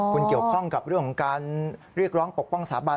คุณเกี่ยวข้องกับเรื่องของการเรียกร้องปกป้องสถาบัน